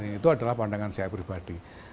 itu adalah pandangan saya pribadi